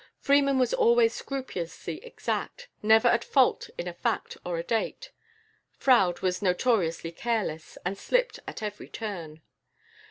Freeman was always scrupulously exact, never at fault in a fact or a date; Froude was notoriously careless, and slipped at every turn.